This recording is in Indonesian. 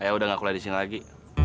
ayah udah gak kuliah disini lagi